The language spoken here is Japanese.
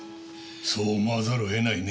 そう思わざるをえないね